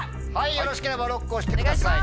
よろしければＬＯＣＫを押してください。